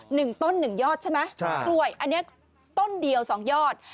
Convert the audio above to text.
หนึ่งต้นหนึ่งยอดใช่ไหมต้นกล้วยอันเนี้ยต้นเดียวสองยอด